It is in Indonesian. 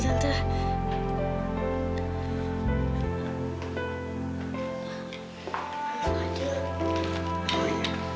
tante tenang aja kamila baik baik aja